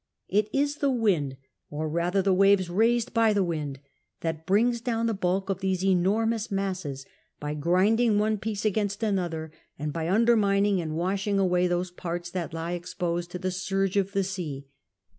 It is the wind, or rather the weaves raised by the wind, that brings down the bulk of these enormous masses by grinding one piece against another, and by undermining and washing away those parts that lie exposed to the surge of the sea.